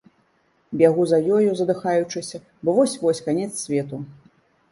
Бягу за ёю, задыхаючыся, бо вось-вось канец свету.